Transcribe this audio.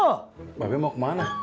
mbak be mau ke mana